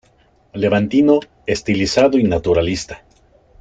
Levantino, estilizado y naturalista.